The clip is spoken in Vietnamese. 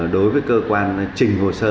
đối với cơ quan trình hồ sơ